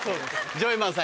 ジョイマンさん